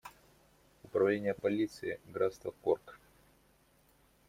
Управление полицией графства Корк.